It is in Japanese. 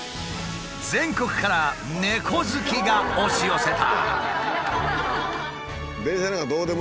全国から猫好きが押し寄せた。